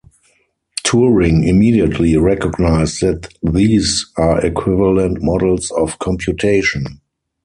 Turing immediately recognized that these are equivalent models of computation.